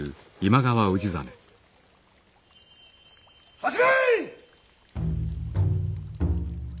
始め！